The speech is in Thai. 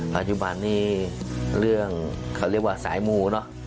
ปัจจุบันนี้เรื่องเขาเรียกว่าสายมูเนอะ